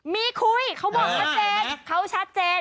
มีคุยเขาบอกชัดเจนเขาชัดเจน